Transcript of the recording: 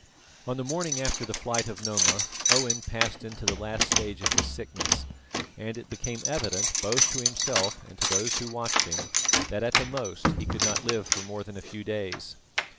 On the morning after the flight of Noma, Owen passed into the last stage of his sickness, and it became evident, both to himself and to those who watched him, that at the most he could not live for more than a few days.